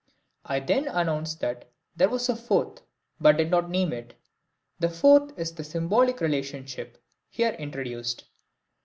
I then announced that there was a fourth, but did not name it. This fourth is the symbolic relationship here introduced.